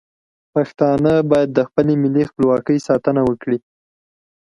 پښتانه باید د خپل ملي خپلواکۍ ساتنه وکړي.